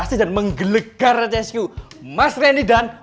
sekarang beneran seorang yang dia